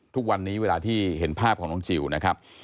ทุกวันนี้เวลาที่เห็นภาพของน้องจิลนะครับ